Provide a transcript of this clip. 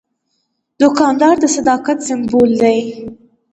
دوکاندار د صداقت سمبول دی.